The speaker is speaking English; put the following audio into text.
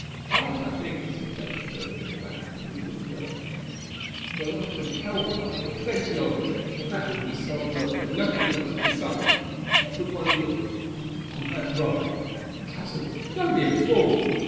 "Light, I think," said Betty, jerking her back from the window—"the light of hell fire, and plenty of it, for that would be self murder, nothing else, and besides, what would one look like on that road? Cousin, don't be a fool.